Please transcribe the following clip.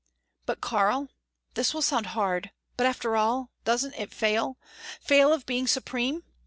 But, Karl this will sound hard but after all, doesn't it fail? Fail of being supreme?